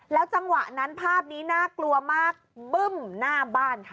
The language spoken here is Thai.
จังหวะนั้นภาพนี้น่ากลัวมากบึ้มหน้าบ้านค่ะ